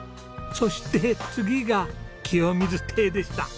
そして次がきよみず邸でした。